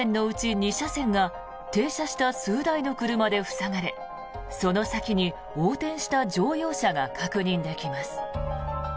２車線が停車した数台の車で塞がれその先に横転した乗用車が確認できます。